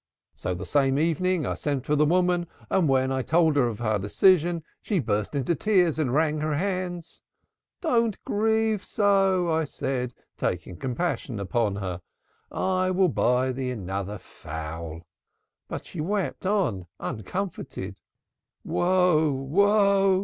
So the same evening I sent for the woman, and when I told her of our decision she burst into tears and wrung her hands. 'Do not grieve so,' I said, taking compassion upon her, 'I will buy thee another fowl.' But she wept on, uncomforted. 'O woe!